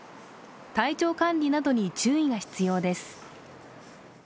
体調管理などに、注意が必要です。